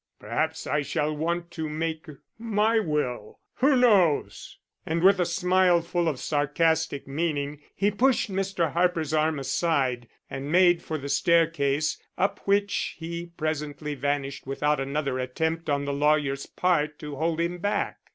Perhaps I shall want to make my will, who knows?" And with a smile full of sarcastic meaning, he pushed Mr. Harper's arm aside and made for the staircase, up which he presently vanished without another attempt on the lawyer's part to hold him back.